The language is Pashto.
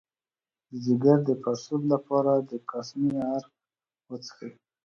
د ځیګر د پړسوب لپاره د کاسني عرق وڅښئ